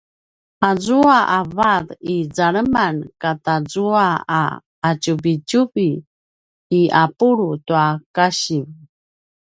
azua a vat i zaleman katazua a ’atjuvitjuvi i ’apulu tua kasiv